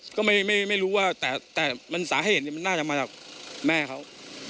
ก็ไม่ไม่ไม่รู้ว่าแต่แต่มันสาเหตุมันน่าจะมาจากแม่เขา